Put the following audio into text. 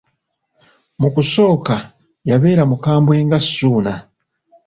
Mu kusooka, yabeera mukambwe nga Ssuuna.